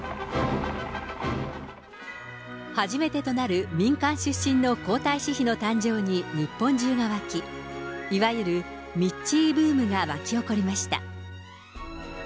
初めてとなる民間出身の皇太子妃の誕生に日本中が沸き、いわゆるミッチーブームが沸き起こりました。